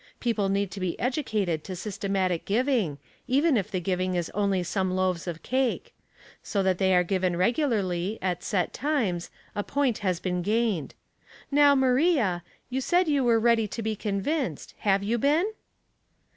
People need to be educated to systematic giving, even if the giving is only some loaves of cake; so that they are given regularly, at set times, a point has been gained. Now, Maria, you said you were ready to be convinced. Have you been?"